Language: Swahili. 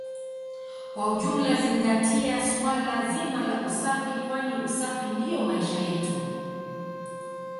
Kwa ujumla zingatia suala zima la usafi kwani usafi ndio maisha yetu